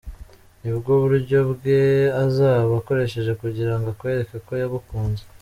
Nibwo buryo bwe azaba akoresheje kugira ngo akwereke ko yagukunze.